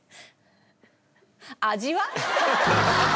味は？